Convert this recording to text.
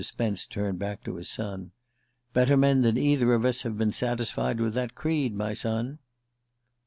Spence turned back to his son. "Better men than either of us have been satisfied with that creed, my son."